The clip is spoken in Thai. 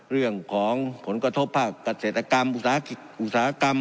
เรื่องของผลกระทบภาคเกษตรกรรมอุตสาหกรรม